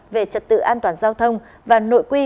về trật tự an toàn giao thông và nội quy